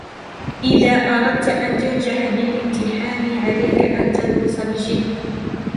إذا أردت أن تنجح بالإمتحان ، عليك أن تدرس بجدّ.